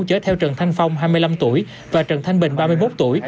chở theo trần thanh phong hai mươi năm tuổi và trần thanh bình ba mươi một tuổi